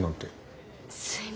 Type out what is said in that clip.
すいません。